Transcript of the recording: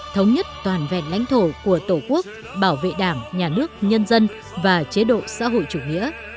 thống nhất toàn vẹn lãnh thổ của tổ quốc bảo vệ đảng nhà nước nhân dân và chế độ xã hội chủ nghĩa